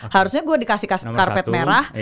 harusnya gue dikasih karpet merah